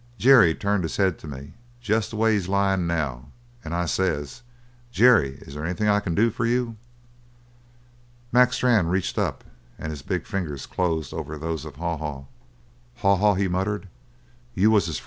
Jerry turned his head to me jest the way he's lyin' now and I says: 'Jerry, is there anything I can do for you?'" Mac Strann reached up and his big fingers closed over those of Haw Haw. "Haw Haw," he muttered, "you was his frien'.